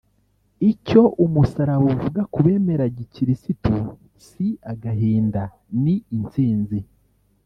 icyo umusaraba uvuga ku bemera gikirisitu si agahinda ni intsinzi